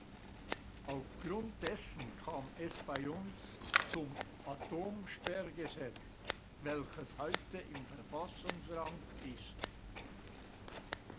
Aufgrund dessen kam es bei uns zum Atomsperrgesetz, welches heute im Verfassungsrang ist.